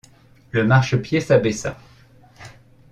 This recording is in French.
Le marchepied s’abaissa.